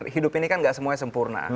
hidup ini kan gak semuanya sempurna